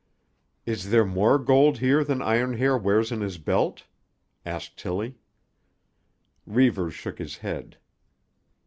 "Is there more gold here than Iron Hair wears in his belt?" asked Tillie. Reivers shook his head.